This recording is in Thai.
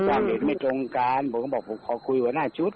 ความเห็นไม่ตรงกันผมก็บอกผมขอคุยหัวหน้าชุด